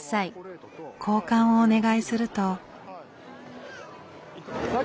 交換をお願いすると。